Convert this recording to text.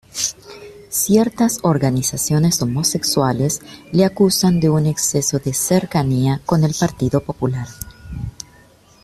Ciertas organizaciones homosexuales le acusan de un exceso de cercanía con el Partido Popular.